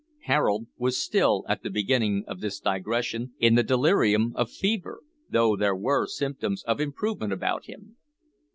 Harold was still at the beginning of this digression in the delirium of fever, though there were symptoms of improvement about him.